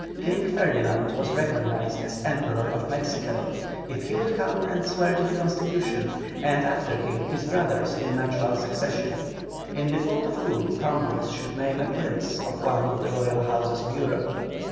King Ferdinand was recognized as Emperor of Mexico, if he would come and swear to the constitution, and after him his brothers in natural succession; in default of whom, Congress should name a prince of one of the royal houses of Europe.